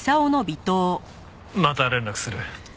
また連絡する。